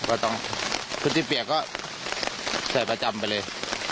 ก็ต้องพื้นที่เปียกก็ใส่ประจำไปเลย